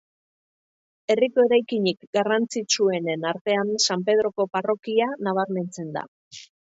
Herriko eraikinik garrantzitsuenen artean San Pedroko parrokia nabarmentzen da.